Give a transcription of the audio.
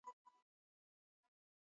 carols ancellot ambaye anakiongoza